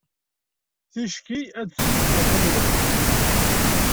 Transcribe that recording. Ticki ad ssizdgeɣ tanwalt.